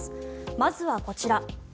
まずはこちら。